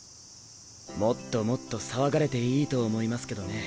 もっともっと騒がれていいと思いますけどね